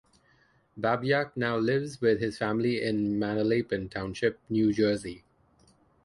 Babjak now lives with his family in Manalapan Township, New Jersey.